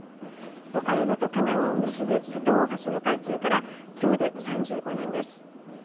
岡山と香川を結ぶ瀬戸大橋の開通からきょうで３５年です。